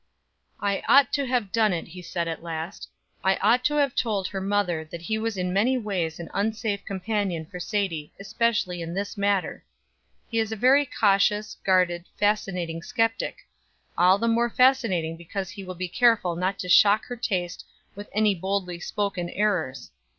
"I ought to have done it," he said at last. "I ought to have told her mother that he was in many ways an unsafe companion for Sadie, especially in this matter; he is a very cautious, guarded, fascinating skeptic all the more fascinating because he will be careful not to shock her taste with any boldly spoken errors.